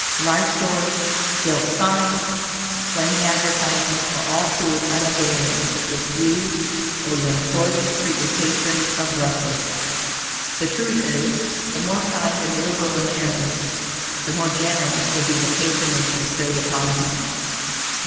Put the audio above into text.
Large stores, gilt signs, flaming advertisements, will all prove unavailing if you or your employees treat your patrons abruptly. The truth is, the more kind and liberal a man is, the more generous will be the patronage bestowed upon him.